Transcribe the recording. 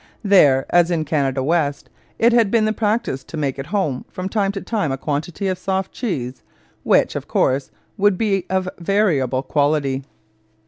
There, as in Canada West, it had been the practice to make at home from time to time a quantity of soft cheese, which, of course, would be of variable quality.